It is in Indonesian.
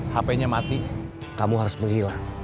hape nya mati kamu harus pergi lah